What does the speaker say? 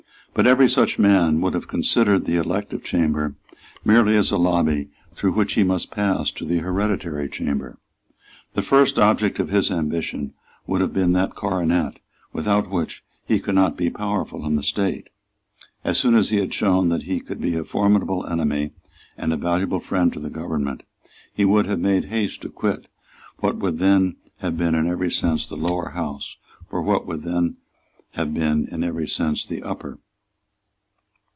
But every such man would have considered the elective chamber merely as a lobby through which he must pass to the hereditary chamber. The first object of his ambition would have been that coronet without which he could not be powerful in the state. As soon as he had shown that he could be a formidable enemy and a valuable friend to the government, he would have made haste to quit what would then have been in every sense the Lower House for what would then have been in every sense the Upper.